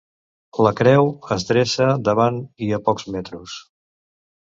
La creu es dreça davant i a pocs metros.